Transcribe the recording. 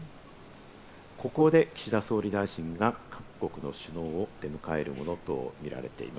ここで岸田総理大臣が各国の首脳を出迎えるものと見られています。